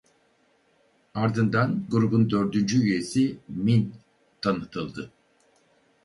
Ardından grubun dördüncü üyesi Min tanıtıldı.